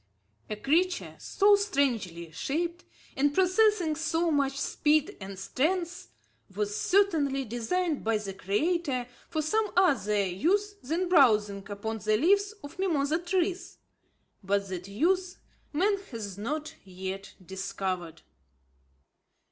A creature so strangely shaped, and possessing so much speed and strength, was certainly designed by the Creator for some other use than browsing upon the leaves of mimosa trees; but that use, man has not yet discovered.